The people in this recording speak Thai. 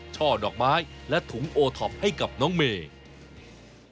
ช่อดอกไม้และถุงโอท็อปให้กับน้องเมย์